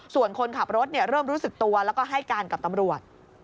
ส่วนคนขับรถเริ่มรู้สึกตัวแล้วก็ให้การกับตำรวจ